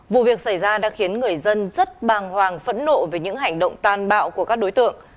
vụ việc xảy ra đã khiến người dân rất bàng hoàng phẫn nộ về những hành động tàn bạo của các đối tượng